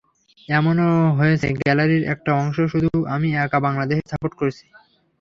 এমনও হয়েছে গ্যালারির একটা অংশে শুধু আমি একা বাংলাদেশের সাপোর্ট করছি।